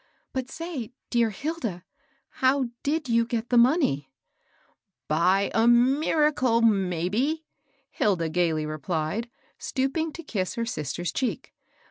But say, dear Hilda, how did you get the money ?" "By a miracle, maybe," Hilda gayly repUed, stooping to kiss her sister's cheek.